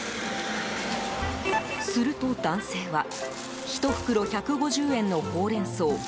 すると男性は１袋１５０円のホウレンソウ